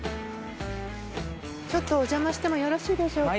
ちょっとおじゃましてもよろしいでしょうか？